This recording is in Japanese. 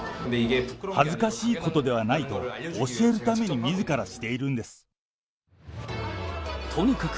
恥ずかしいことではないと教えるためにみずからしているんでとにかく